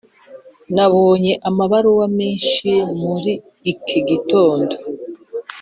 nabonye amabaruwa menshi muri iki gitondo.